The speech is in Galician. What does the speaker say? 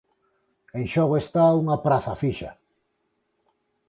En xogo está unha praza fixa.